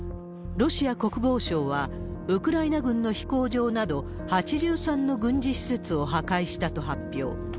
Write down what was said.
ロシア国防省は、ウクライナ軍の飛行場など、８３の軍事施設を破壊したと発表。